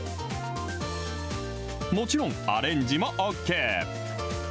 もちろん、アレンジもＯＫ。